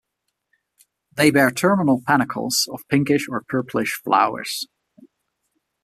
They bear terminal panicles of pinkish or purplish flowers.